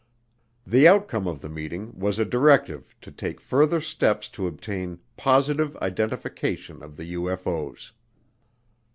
The outcome of the meeting was a directive to take further steps to obtain positive identification of the UFO's.